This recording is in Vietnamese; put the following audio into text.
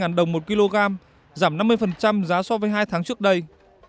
giá thu mua tại vườn một kg giảm năm mươi giá so với hai tháng trước đây